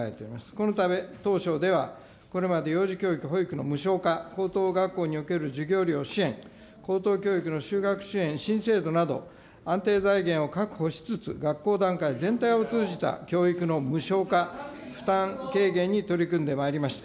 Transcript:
このため、当初ではこれまで幼児教育保育の無償化、高等学校における授業料の支援、高等教育の就学支援新制度など安定財源を確保しつつ、学校段階全体を通じて教育の無償化、負担軽減に取り組んでまいりました。